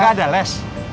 gak ada les